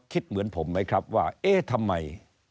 คิดเหมือนผมไหมครับว่าเอ๊ะทำไม